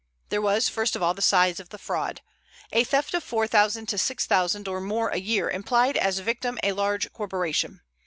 There was first of all the size of the fraud. A theft of £4,000 to £6,000 or more a year implied as victim a large corporation.